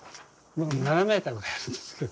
７ｍぐらいあるんですけど。